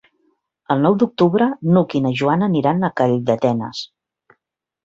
El nou d'octubre n'Hug i na Joana aniran a Calldetenes.